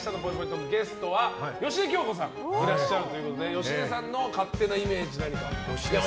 トークゲストは芳根京子さんがいらっしゃるということで芳根さんの勝手なイメージ何か。